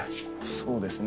そうですね。